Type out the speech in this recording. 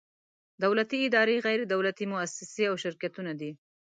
دولتي ادارې، غیر دولتي مؤسسې او شرکتونه دي.